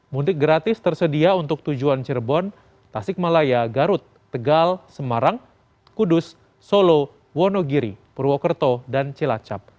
mudik gratis tersedia untuk tujuan cirebon tasik malaya garut tegal semarang kudus solo wonogiri purwokerto dan cilacap